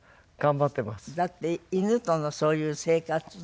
だって犬とのそういう生活。